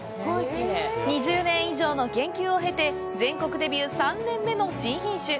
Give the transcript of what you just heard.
２０年以上の研究を経て、全国デビュー３年目の新品種。